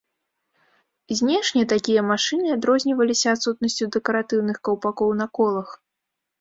Знешне такія машыны адрозніваліся адсутнасцю дэкаратыўных каўпакоў на колах.